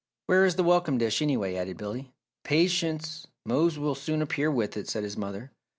"Where is the welcome dish, anyway?" added Billy. "Patience Mose will soon appear with it," said his mother.